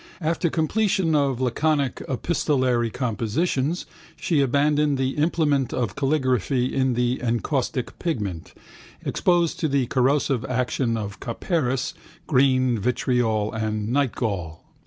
After completion of laconic epistolary compositions she abandoned the implement of calligraphy in the encaustic pigment, exposed to the corrosive action of copperas, green vitriol and nutgall.